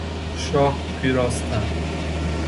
شاخ پیراستن